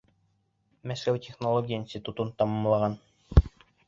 Мәскәү технология институтын тамамлаған.